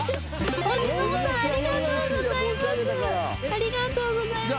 お地蔵さんありがとうございます。